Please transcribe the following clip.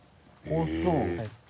あっそう。